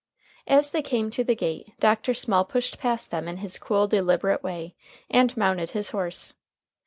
As they came to the gate, Dr. Small pushed past them in his cool, deliberate way, and mounted his horse.